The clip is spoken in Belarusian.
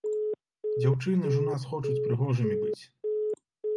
Дзяўчыны ж у нас хочуць прыгожымі быць.